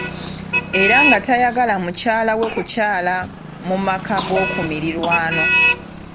Era nga tayagala mukyala we kukyala mu maka g'okumirirwano.